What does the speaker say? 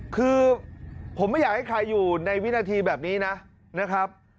คือผมไม่อยากให้ใครอยู่ในวินาทีแบบนี้นะครับ